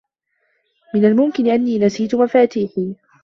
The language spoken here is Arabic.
من الممكن أنّي نسيت مفاتيحي.